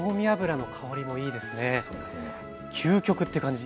究極って感じ。